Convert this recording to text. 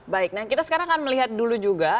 baik nah kita sekarang akan melihat dulu juga